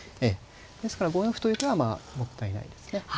ですから５四歩という手はもったいないですね。